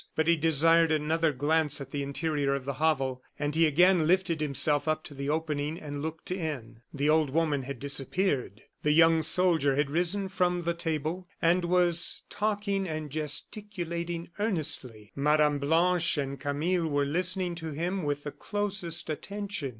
But he desired another glance at the interior of the hovel, and he again lifted himself up to the opening and looked in. The old woman had disappeared; the young soldier had risen from the table and was talking and gesticulating earnestly. Mme. Blanche and Camille were listening to him with the closest attention.